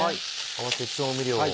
合わせ調味料を。